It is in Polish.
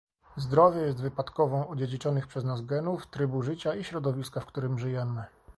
Zdrowie jest wypadkową odziedziczonych przez nas genów, trybu życia i środowiska, w którym żyjemy